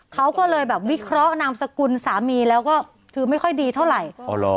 เขาก็เลยแบบวิเคราะห์นามสกุลสามีแล้วก็คือไม่ค่อยดีเท่าไหร่